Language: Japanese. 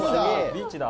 ビーチだ。